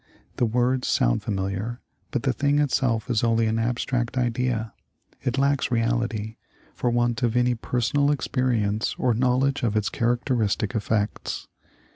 The words sound familiar, but the thing itself is only an abstract idea ; it lacks reality, for want of any personal experience or knowledge of its characteristic effects.